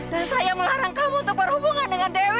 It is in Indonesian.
dan saya melarang kamu untuk berhubungan dengan dewi